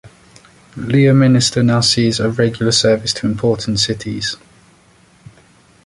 Leominster now sees a regular service to important cities.